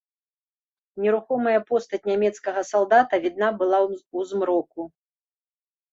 Нерухомая постаць нямецкага салдата відна была ў змроку.